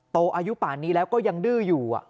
โตอายุป่านนี้แล้วก็ยังดื้ออยู่